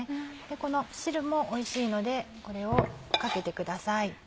この汁もおいしいのでこれをかけてください。